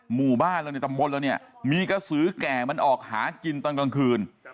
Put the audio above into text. หมู่บ้านเราในตำบลเราเนี่ยมีกระสือแก่มันออกหากินตอนกลางคืน